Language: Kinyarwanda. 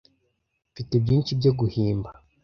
Mfite byinshi byo guhimba.